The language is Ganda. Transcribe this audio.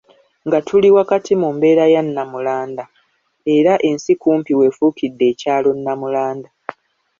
Nga tuli wakati mu mbeera eya Nnamulanda. Era ensi kumpi w'efuukidde ekyalo Namulanda.